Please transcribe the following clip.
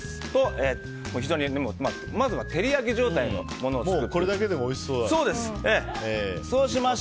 まずは照り焼き状態のものを作ります。